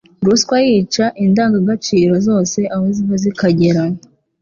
Ruswa yica indangagaciro zose aho ziva zikagera,